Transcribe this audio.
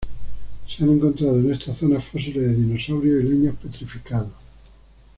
Se han encontrado en esta zona fósiles de dinosaurio y leños petrificados.